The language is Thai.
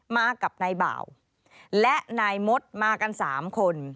มากับนายบ่าวและนายมดมากัน๓คน